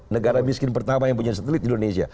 negara miskin pertama yang punya satelit di indonesia